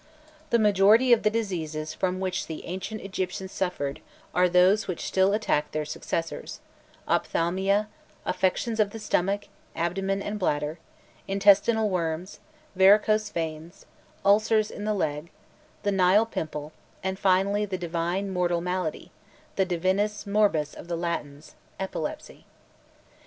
The majority of the diseases from which the ancient Egyptians suffered, are those which still attack their successors; ophthalmia, affections of the stomach, abdomen, and bladder, intestinal worms, varicose veins, ulcers in the leg, the Nile pimple, and finally the "divine mortal malady," the divinus morbus of the Latins, epilepsy.